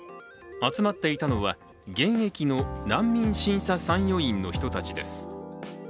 集まっていたのは現役の難民審査参与員の人たちです。